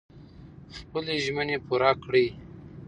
خپلې ژمنې پوره کړئ.